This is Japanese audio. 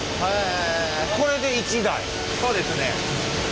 そうですね。